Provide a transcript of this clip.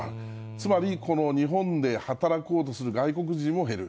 つまりこの日本で働こうとする外国人も減る。